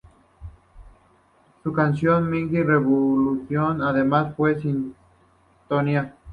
Su canción "Midnight revolution", además, fue la sintonía.